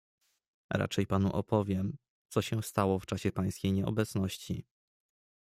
"Raczej panu opowiem, co się stało w czasie pańskiej nieobecności."